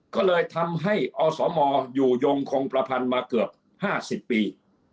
ก็เลยทำให้อสมอยู่ยงคงประพันธ์มาเกือบ๕๐ปี